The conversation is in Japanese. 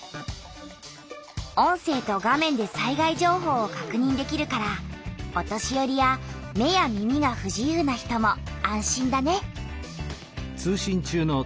音声と画面で災害情報をかくにんできるからお年よりや目や耳がふ自由な人も安心だね。